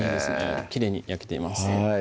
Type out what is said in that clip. きれいに焼けています